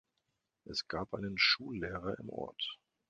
Es gab einen Schullehrer im Ort.